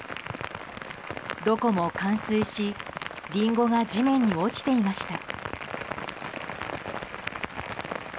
どこも冠水しリンゴが地面に落ちていました。